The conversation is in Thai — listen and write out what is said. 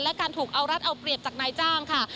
และการถูกเอารัดเอาเปรียบจากนายจ้างค่ะ